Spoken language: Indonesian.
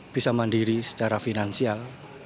bisa mandiri secara finansial